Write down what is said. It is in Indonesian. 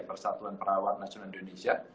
persatuan perawat nasional indonesia